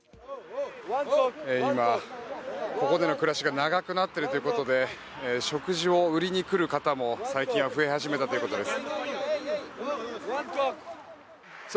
今、ここでの暮らしが長くなっているということで食事を売りに来る方も、最近は増え始めたということです。